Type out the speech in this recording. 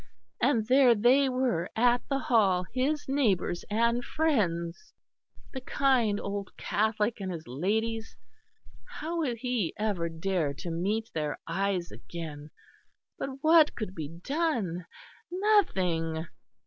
And there they were at the Hall, his neighbours and friends. The kind old Catholic and his ladies! How would he ever dare to meet their eyes again? But what could be done? Nothing!